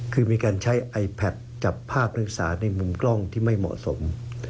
คือมีการใช้ไอแพทจับภาคนักศึกษาในมุมกล้องที่ไม่เหมาะสม